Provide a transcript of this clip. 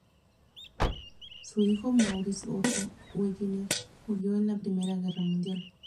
Su hijo, Maurice Otto Wegener, murió en la Primera Guerra Mundial.